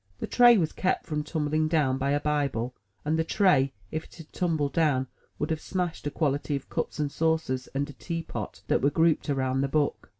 The tray was kept from tumbling down, by a Bible, and the tray, if it had tumbled down, would have smashed a quantity of cups and saucers and a teapot that were grouped around the book.